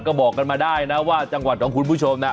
ก็บอกกันมาได้นะว่าจังหวัดของคุณผู้ชมนะ